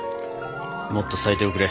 もっと咲いておくれ。